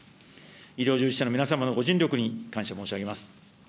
医療従事者の皆様のご尽力に感謝申し上げます。